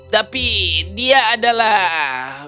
tapi dia adalah